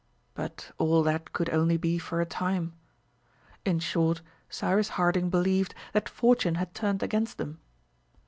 But all that could only be for a time. In short, Cyrus Harding believed that fortune had turned against them.